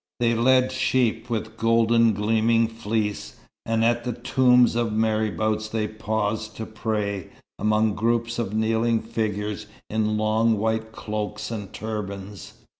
They led sheep with golden gleaming fleece, and at the tombs of marabouts they paused to pray, among groups of kneeling figures in long white cloaks and turbans.